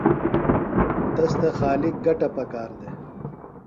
تس تھےۡ خالیۡ گٹہ پکار دےۡ۔